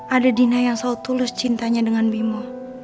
ada dina yang selalu tulus cintanya dengan bimo